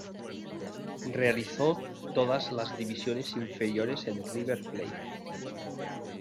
Realizó todas las divisiones inferiores en River Plate.